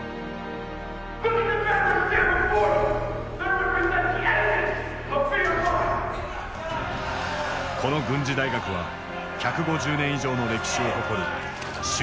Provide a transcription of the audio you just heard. この軍事大学は１５０年以上の歴史を誇る州立の男子校だった。